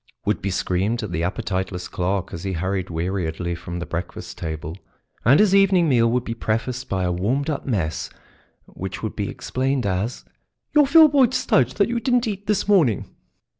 would be screamed at the appetiteless clerk as he hurried weariedly from the breakfast table, and his evening meal would be prefaced by a warmed up mess which would be explained as "your Filboid Studge that you didn't eat this morning."